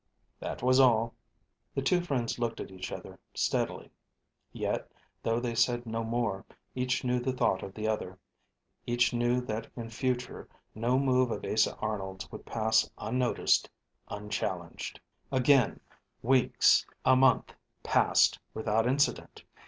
"That was all." The two friends looked at each other, steadily; yet, though they said no more, each knew the thought of the other, each knew that in future no move of Asa Arnold's would pass unnoticed, unchallenged. Again, weeks, a month, passed without incident.